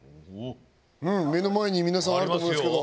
うん目の前に皆さんあると思いますけど。